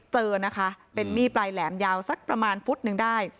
เจอนะคะเป็นมีดปลายแหลมยาวสักประมาณฟุตหนึ่งได้